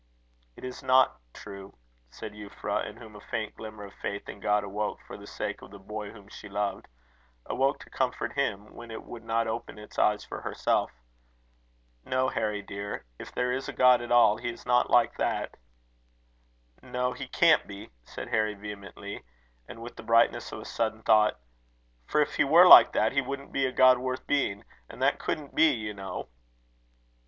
"It is not true," said Euphra, in whom a faint glimmer of faith in God awoke for the sake of the boy whom she loved awoke to comfort him, when it would not open its eyes for herself. "No, Harry dear, if there is a God at all, he is not like that." "No, he can't be," said Harry, vehemently, and with the brightness of a sudden thought; "for if he were like that, he wouldn't be a God worth being; and that couldn't be, you know."